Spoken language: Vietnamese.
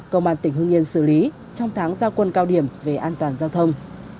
cầu bàn tỉnh hương yên xử lý trong tháng giao quân cao điểm về an toàn giao thông